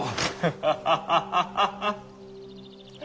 ハハハハハハ。